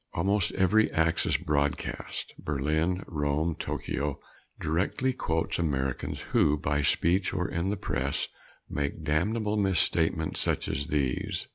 Almost every Axis broadcast Berlin, Rome, Tokyo directly quotes Americans who, by speech or in the press, make damnable misstatements such as these.